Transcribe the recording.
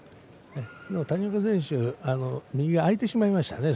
谷岡選手、右が空いてしまいましたね。